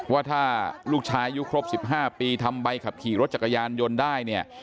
ว่าถ้าลูกชายอายุครบ๑๕ปีทำใบขับขี่รถจักรยานยนต์ได้เนี่ย